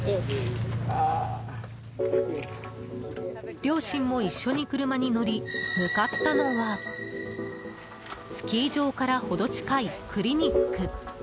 両親も一緒に車に乗り向かったのはスキー場から程近いクリニック。